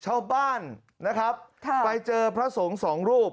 ชาวบ้านนะครับไปเจอพระสงฆ์สองรูป